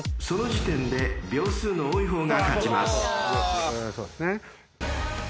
［その時点で秒数の多い方が勝ちます］